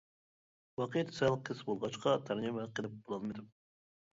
ۋاقىت سەل قىس بولغاچقا تەرجىمە قىلىپ بولالمىدىم.